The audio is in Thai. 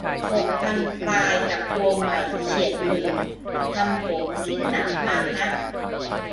หกพันปลาย กับตัวใหม่ เฉียดหมื่นทำผมคิดหนักมากฮะ